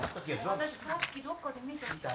私さっきどっかで見た。